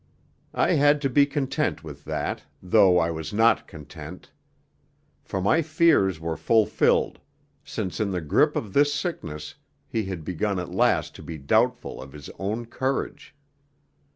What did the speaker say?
I had to be content with that, though I was not content. For my fears were fulfilled, since in the grip of this sickness he had begun at last to be doubtful of his own courage.